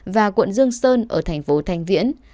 đoạn dương sơn ở thành phố thanh viễn